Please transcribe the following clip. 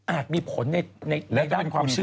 มีผลในด้านความเชื่อ